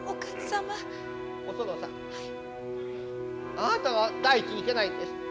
あなたが第一にいけないんです。